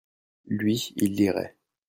lui, il lirait.